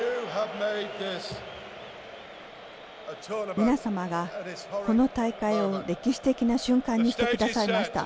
皆様がこの大会を歴史的な瞬間にしてくださいました。